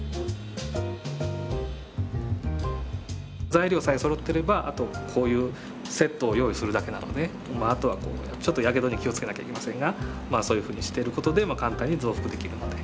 材料さえそろってればあとこういうセットを用意するだけなのでまああとはちょっとやけどに気を付けなきゃいけませんがそういうふうにしている事で簡単に増幅できるので。